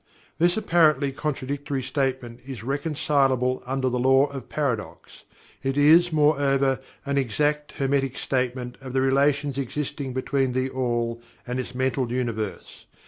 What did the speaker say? This apparently contradictory statement is reconcilable under the Law of Paradox. It is, moreover, an exact Hermetic statement of the relations existing between THE ALL and its Mental Universe.